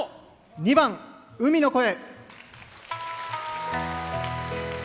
２番「海の声」。